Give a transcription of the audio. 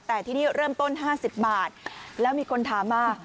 แต่ที่นี่เริ่มต้น๕๐บาทแล้วมีคนถามมา